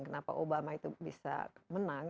kenapa obama itu bisa menang